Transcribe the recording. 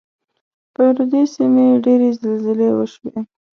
پر دې سیمې ډېرې زلزلې وشوې.